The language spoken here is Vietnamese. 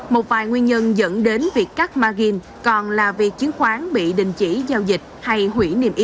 một vài nguyên nhân dẫn đến việc cắt margin còn là việc chứng khoán bị đình chỉ giao dịch